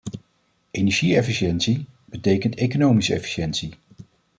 Energie-efficiëntie betekent economische efficiëntie.